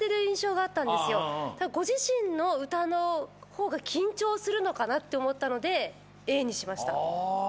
ご自身の歌の方が緊張するのかなって思ったのでＡにしました。